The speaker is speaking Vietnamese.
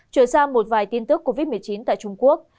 chuyển sang một vài tin tức covid một mươi chín tại trung quốc